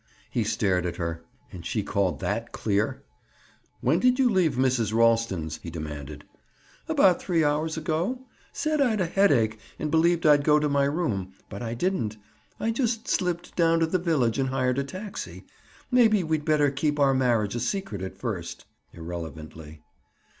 He stared at her. And she called that clear? "When did you leave Mrs. Ralston's?" he demanded. "About three hours ago. Said I'd a headache and believed I'd go to my room. But I didn't. I just slipped down to the village and hired a taxi. Maybe we'd better keep our marriage a secret, at first." Irrelevantly.